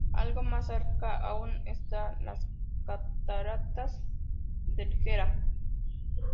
Algo más cerca aún están las cataratas del Gera.